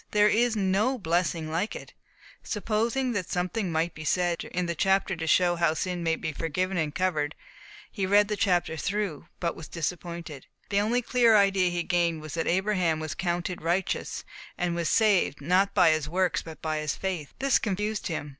There is no blessing like it." Supposing that something might be said in the chapter to show how sin may be forgiven and covered, he read the chapter through, but was disappointed. The only clear idea he gained was that Abraham was counted righteous, and was saved, not by his works, but by his faith. This confused him.